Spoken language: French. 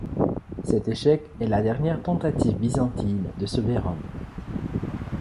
Cet échec est la dernière tentative byzantine de sauver Rome.